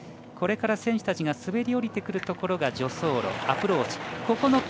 選手たちが滑り降りてくるところが助走路、アプローチ。